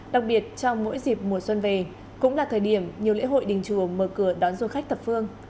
đặc biệt trong mỗi dịp mùa xuân về cũng là thời điểm nhiều lễ hội đình chùa mở cửa đón du khách thập phương